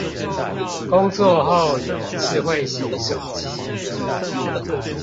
工作後有智慧型手機